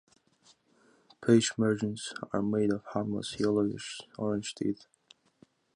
Page margins are made of harmless yellowish-orange teeth.